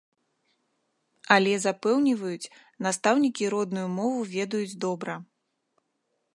Але запэўніваюць, настаўнікі родную мову ведаюць добра.